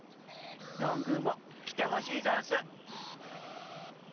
どんぐーもきてほしいざんす！